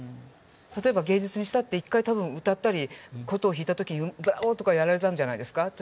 例えば芸術にしたって一回多分歌ったり琴を弾いた時にブラボーとかやられたんじゃないですか。